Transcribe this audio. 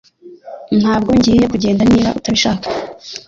Ntabwo ngiye kugenda niba utabishaka